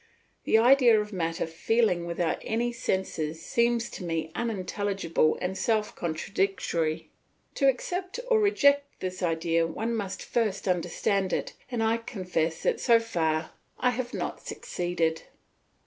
The idea of matter feeling without any senses seems to me unintelligible and self contradictory. To accept or reject this idea one must first understand it, and I confess that so far I have not succeeded.